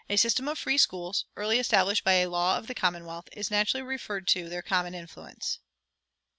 A system of free schools, early established by a law of the commonwealth, is naturally referred to their common influence.